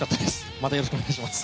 またよろしくお願いします。